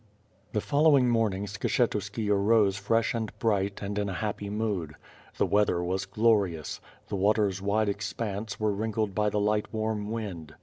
The following moniing Skshetiiski arose fresh and bright, and in a happy mood. The weather was glorious. The waters wide expanse were wrinkled by the light warm wind.